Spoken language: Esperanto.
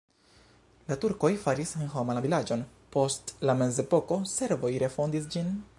La turkoj faris senhoma la vilaĝon post la mezepoko, serboj refondis ĝin.